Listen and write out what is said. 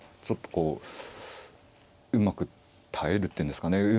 ちょっとこううまく耐えるっていうんですかね。